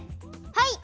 はい！